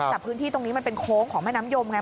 แต่พื้นที่ตรงนี้มันเป็นโค้งของแม่น้ำยมไง